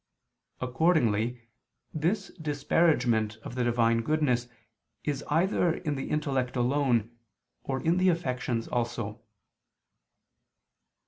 Accordingly this disparagement of the Divine goodness is either in the intellect alone, or in the affections also.